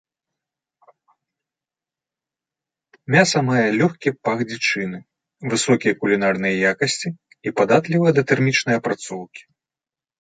Мяса мае лёгкі пах дзічыны, высокія кулінарныя якасці і падатлівае да тэрмічнай апрацоўкі.